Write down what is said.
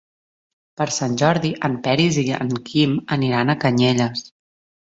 Per Sant Jordi en Peris i en Quim aniran a Canyelles.